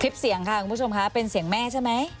คลิปเสียงค่ะคุณผู้ชมค่ะเป็นเสียงแม่ใช่ไหม